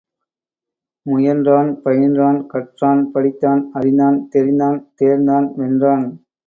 முயன்றான், பயின்றான், கற்றான், படித்தான், அறிந்தான், தெரிந்தான், தேர்ந்தான், வென்றான்.